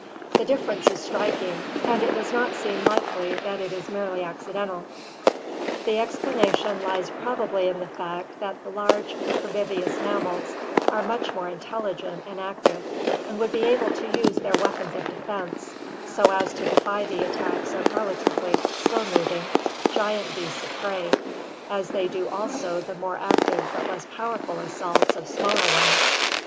The difference is striking, and it does not seem likely that it is merely accidental. "The explanation lies probably in the fact that the large herbivorous mammals are much more intelligent and active, and would be able to use their weapons of defense so as to defy the attacks of relatively slow mov ing giant beasts of prey, as they do also the more active but less powerful assaults of smaller ones.